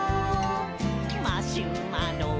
「マシュマロ？」